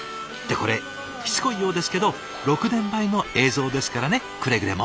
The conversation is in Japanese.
これしつこいようですけど６年前の映像ですからねくれぐれも。